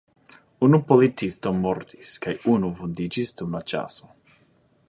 Unu policisto mortis kaj unu vundiĝis dum la ĉaso.